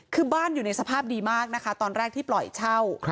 คือบ้านอยู่ในสภาพดีมากนะคะตอนแรกที่ปล่อยเช่า